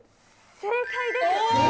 正解です。